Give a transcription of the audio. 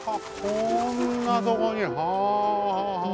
こんなとこにはあ。